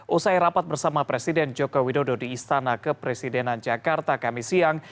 usai rapat bersama presiden joko widodo di istana kepresidenan jakarta kami siang